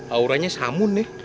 auranya samun nih